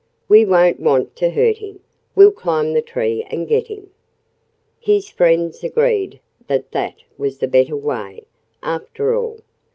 We don't want to hurt him. We'll climb the tree and get him." His friends agreed that that was the better way, after all.